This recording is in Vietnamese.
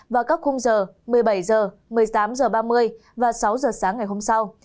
vào các khung giờ một mươi bảy h một mươi tám h ba mươi và sáu h sáng ngày hôm sau